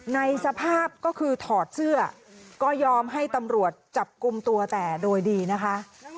ในสภาพก็คือถอดเสื้อก็ยอมให้ตำรวจจับกลุ่มตัวแต่โดยดีนะคะ